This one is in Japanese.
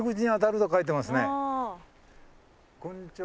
こんにちは。